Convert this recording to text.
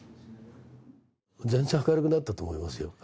全然明るくなったと思いますよ。